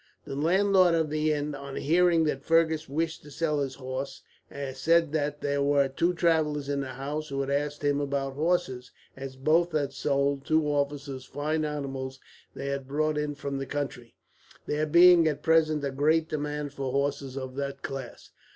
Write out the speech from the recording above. The landlord of the inn, on hearing that Fergus wished to sell his horse, said that there were two travellers in the house who had asked him about horses; as both had sold, to officers, fine animals they had brought in from the country, there being at present a great demand for horses of that class.